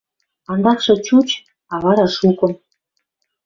Андакшы чуч, а вара шукым.